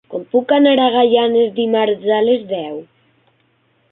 Com puc anar a Gaianes dimarts a les deu?